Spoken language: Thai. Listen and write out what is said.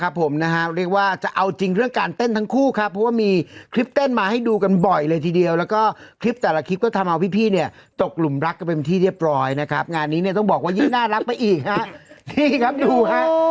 นะฮะเรียกว่าจะเอาจริงเรื่องการเต้นทั้งคู่ครับเพราะว่ามีคลิปเต้นมาให้ดูกันบ่อยเลยทีเดียวแล้วก็คลิปแต่ละคลิปก็ทำเอาพี่พี่เนี่ยตกหลุมรักกันเป็นที่เรียบร้อยนะครับงานนี้เนี่ยต้องบอกว่ายิ่งน่ารักไปอีกฮะนี่ครับดูฮะ